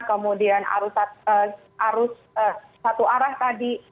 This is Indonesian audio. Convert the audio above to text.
kemudian arus satu arah tadi